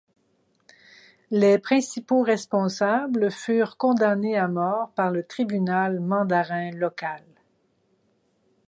Les principaux responsables furent condamnés à mort par le tribunal mandarin local.